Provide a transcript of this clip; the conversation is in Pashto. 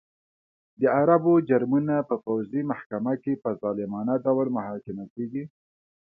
د عربو جرمونه په پوځي محکمه کې په ظالمانه ډول محاکمه کېږي.